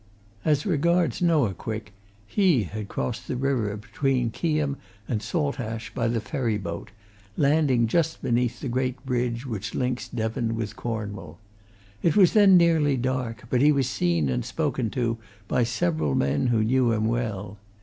As regards Noah Quick he had crossed the river between Keyham and Saltash by the ferry boat, landing just beneath the great bridge which links Devon with Cornwall. It was then nearly dark, but he was seen and spoken to by several men who knew him well.